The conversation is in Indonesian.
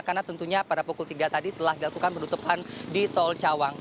karena tentunya pada pukul tiga tadi telah dilakukan penutupan di tol cawang